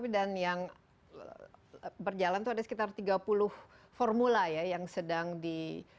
dan yang berjalan itu ada sekitar tiga puluh formula ya yang sedang di